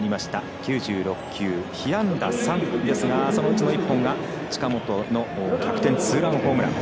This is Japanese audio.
９６球、被安打３ですがそのうちの１本が近本の逆転ツーランホームラン。